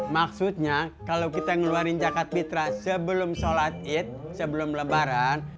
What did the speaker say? maksudnya kalau kita ngeluarin jakak pitras sebelum sholat id sebelum lembaran